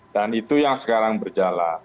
dan itu yang sekarang berjalan